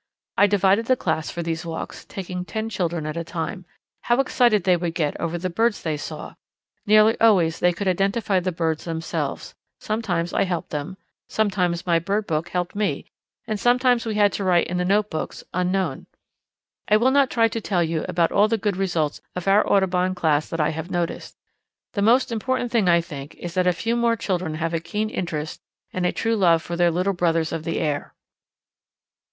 I divided the class for these walks, taking ten children at a time. How excited they would get over the birds they saw! Nearly always they could identify the birds themselves, sometimes I helped them, sometimes my bird book helped me, and sometimes we had to write in the notebooks, 'unknown.' I will not try to tell you about all the good results of our Audubon Class that I have noticed. The most important thing I think is that a few more children have a keen interest and a true love for their little brothers of the air.